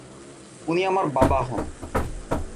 উনি আমার বাবা হন।